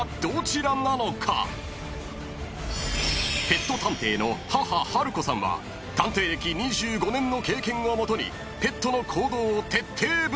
［ペット探偵の母春子さんは探偵歴２５年の経験を基にペットの行動を徹底分析］